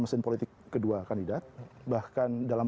mesin politik kedua kandidat bahkan dalam